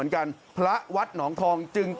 โอ้ยน้ำแรงมากเลย